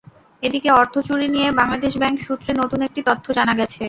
এদিকে অর্থ চুরি নিয়ে বাংলাদেশ ব্যাংক সূত্রে নতুন একটি তথ্য জানা গেছে।